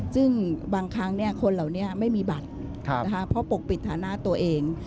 ซึ่งบางครั้งคนเหล่านี้ไม่มีบัตรเพราะปกปิดฐานะตัวเอง